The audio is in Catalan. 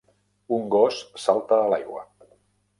Un gos salta a l'aigua.